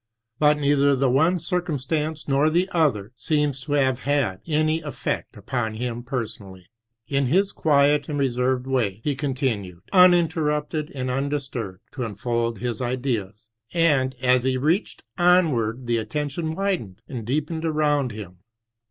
But neither the one circum stance nor the other seems to have had any effect upon him personally. In his quiet and reserved way he continued, uninterrupted and undisturbed, to unfold his ideas, and as he reached onward the attention widened and deepened around him.